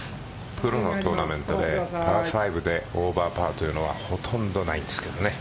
プロのトーナメントでパー５でオーバーパーというのはほとんどないんですけどね。